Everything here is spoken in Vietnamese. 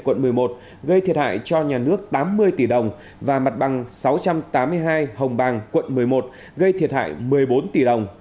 quận một mươi một gây thiệt hại cho nhà nước tám mươi tỷ đồng và mặt bằng sáu trăm tám mươi hai hồng bàng quận một mươi một gây thiệt hại một mươi bốn tỷ đồng